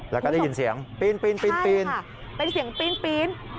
แล้วก็ได้ยินเสียงปีนเป็นเสียงปีน